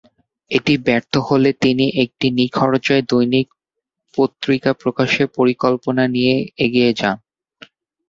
এটি ব্যর্থ হলে তিনি একটি নিখরচায় দৈনিক পত্রিকা প্রকাশের পরিকল্পনা নিয়ে এগিয়ে যান।